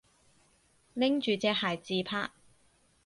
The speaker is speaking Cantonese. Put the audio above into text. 拎住隻鞋自拍